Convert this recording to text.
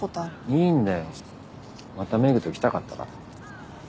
いいんだよまた廻と来たかったから。